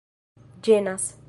ĝenas